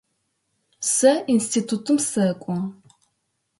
Сэ институтым сэкӏо.